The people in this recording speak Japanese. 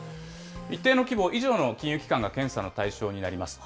一定の規模以上の金融機関が検査の対象になります。